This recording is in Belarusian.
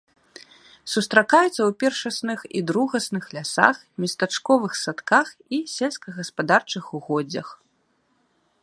Сустракаецца ў першасных і другасных лясах, местачковых садках і сельскагаспадарчых угоддзях.